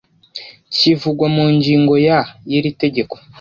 kivugwa mu ngingo ya y iri tegeko